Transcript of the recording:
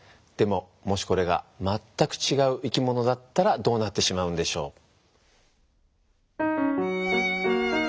でももしこれがまったくちがう生き物だったらどうなってしまうんでしょう？